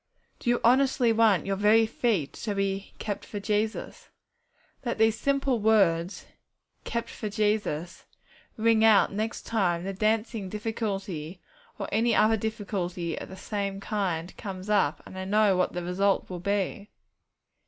Do you honestly want your very feet to be 'kept for Jesus'? Let these simple words, 'Kept for Jesus,' ring out next time the dancing difficulty or any other difficulty of the same kind comes up, and I know what the result will be!